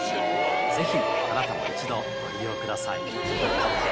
ぜひあなたも一度ご利用ください。